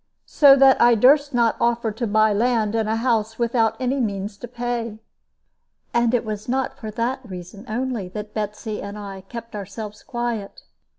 So that I durst not offer to buy land and a house without any means to pay. And it was not for that reason only that Betsy and I kept ourselves quiet.